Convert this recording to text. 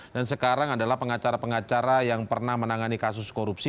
dan sekarang adalah pengacara pengacara yang pernah menangani kasus korupsi